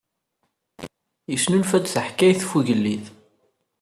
Yesnulfa-d taḥkayt ɣef ugellid.